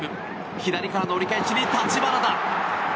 左からの折り返しに橘田。